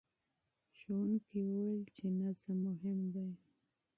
ښوونکي وویل چې نظم مهم دی.